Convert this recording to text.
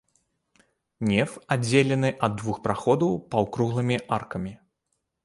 Неф аддзелены ад двух праходаў паўкруглымі аркамі.